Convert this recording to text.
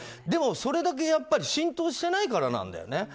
でもそれだけ浸透してないからなんだよね。